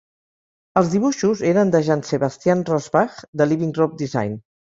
Els dibuixos eren de Jean Sebastian Rossbach, de Living Rope Design.